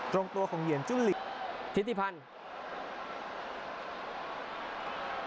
ตรงตัวของเหยียนจุลิทิพย์ที่พันธุ์